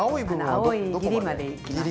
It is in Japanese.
青いギリまでいきます。